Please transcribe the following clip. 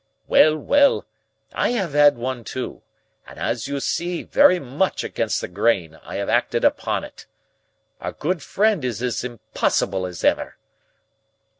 "Well, well! I have had one too, and, as you see, very much against the grain, I have acted upon it. Our good friend is as impossible as ever.